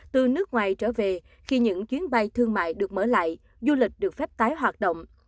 từ nước ngoài trở về khi những chuyến bay thương mại được mở lại du lịch được phép tái hoạt động